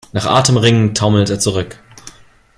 Nach Atem ringend taumelt er zurück.